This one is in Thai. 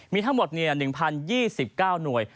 มีทั้งหมดเนี่ย๑๐๒๙หน่วย